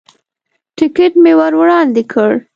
ټکټ مې ور وړاندې کړ.